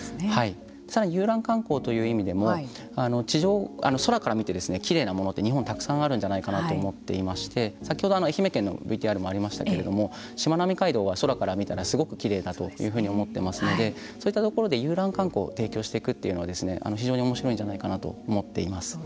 さらに遊覧観光という意味でも空から見てきれいなものって日本はたくさんあるんじゃないかと思っていまして先ほど愛媛県のＶＴＲでもありましたけどしまなみ海道は空から見たらすごくきれいだというふうに思っていますのでそういったところで遊覧観光を提供していくというのは非常におもしろいんじゃないかなと思っています。